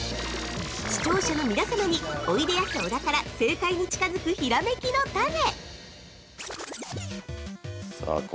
◆視聴者の皆さまに、おいでやす小田から正解に近づくひらめきのタネ。